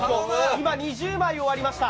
今、２０枚を割りました。